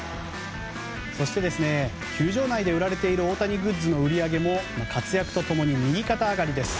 そして、球場内で売られている大谷グッズの売り上げも活躍と共に右肩上がりです。